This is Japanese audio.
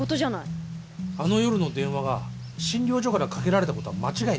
あの夜の電話が診療所からかけられたことは間違いないんだ。